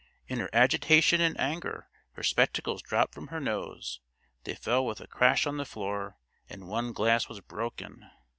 In her agitation and anger her spectacles dropped from her nose; they fell with a crash on the floor, and one glass was broken.